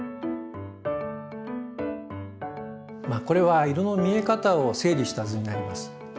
これは色の見え方を整理した図になります。